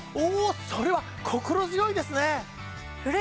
それは心強いですね！